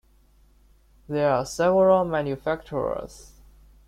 There are several manufacturers.